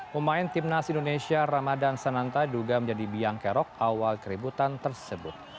pemain timnas indonesia ramadan sananta duga menjadi biang kerok awal keributan tersebut